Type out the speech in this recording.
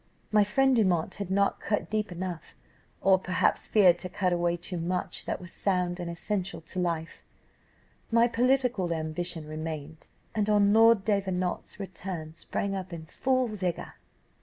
My friend Dumont had not cut deep enough, or perhaps feared to cut away too much that was sound and essential to life: my political ambition remained, and on Lord Davenant's return sprang up in full vigour.